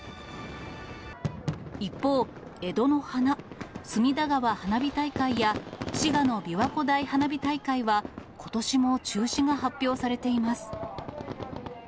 一方、江戸の華、隅田川花火大会や、滋賀のびわ湖大花火大会は、ことしも中止が発表されています。